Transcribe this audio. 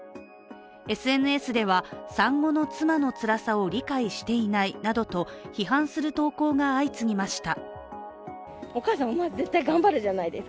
ＳＮＳでは産後の妻のつらさを理解していないなどと批判する投稿が相次ぎました。